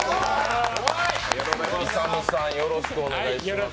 勇さん、よろしくお願いします。